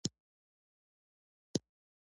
بانډ شاري او شامتوره او ډېره کو کښي